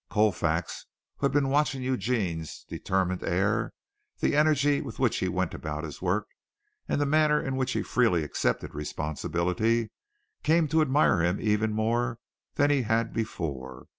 Colfax, who had been watching Eugene's determined air, the energy with which he went about his work and the manner in which he freely accepted responsibility, came to admire him even more than he had before.